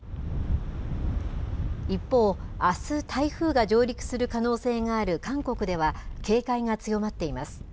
一方、あす、台風が上陸する可能性がある韓国では、警戒が強まっています。